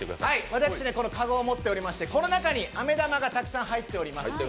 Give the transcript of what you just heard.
私、このかごを持っておりまして、この中にあめ玉がたくさん入っております。